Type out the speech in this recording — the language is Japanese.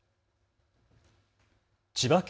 千葉県